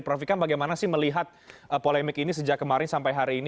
prof ikam bagaimana sih melihat polemik ini sejak kemarin sampai hari ini